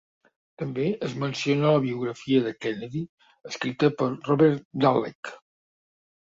També es menciona a la biografia de Kennedy escrita per Robert Dallek.